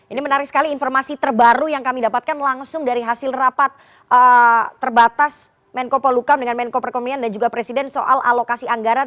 ini menarik sekali informasi terbaru yang kami dapatkan langsung dari hasil rapat terbatas menko polukam dengan menko perekonomian dan juga presiden soal alokasi anggaran